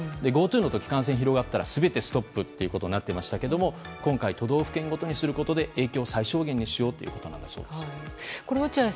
ＧｏＴｏの時は感染が広がったら全てストップとなっていましたが今回、都道府県ごとにすることで影響を最小限にしようということだそうです。